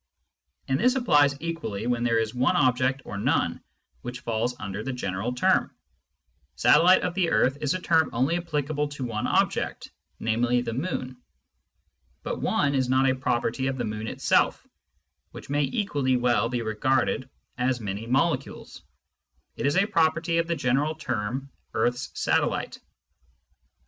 And this applies equally when there is one object or none which falls under the general term. "Satellite of the earth " is a term only applicable to one object, namely, Digitized by Google 202 SCIENTIFIC METHOD IN PHILOSOPHY the moon. But " one " is not a property of the moon itself, which may equally well be regarded as many molecules : it is a property of the general term " earth's satellite."